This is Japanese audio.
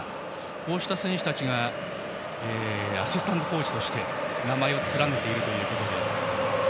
こうした選手たちがアシスタントコーチとして名前を連ねています。